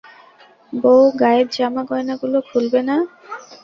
বউ গায়ের জামা-গয়নাগুলো খুলবে না?